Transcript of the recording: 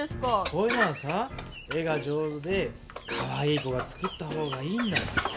こういうのはさ絵が上手でかわいい子が作った方がいいんだよ。